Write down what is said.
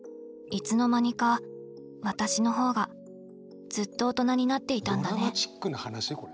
いつの間にか私の方がずっと大人になっていたんだね。